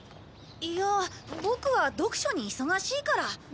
いやボクは読書に忙しいから。